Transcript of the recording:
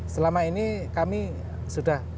selama ini kami sudah